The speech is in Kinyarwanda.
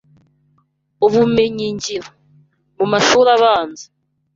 Ubumenyingiro. Mu mashuli abanza